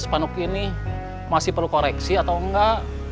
sepanuk ini masih perlu koreksi atau enggak